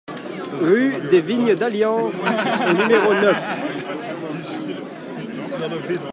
Rue des Vignes d'Allians au numéro neuf